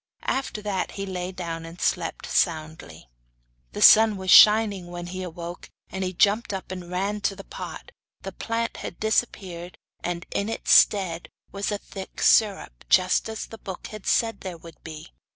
After that he lay down and slept soundly. The sun was shining when he awoke, and he jumped up and ran to the pot. The plant had disappeared and in its stead was a thick syrup, just as the book had said there would be.